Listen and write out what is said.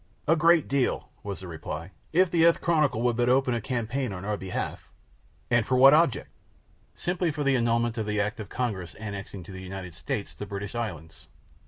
"A great deal," was the reply. "If the Earth Chronicle would but open a campaign on our behalf " "And for what object?" "Simply for the annulment of the Act of Congress annexing to the United States the British islands."